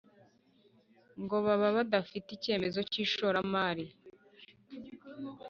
ngo baba badafite icyemezo cy ishoramari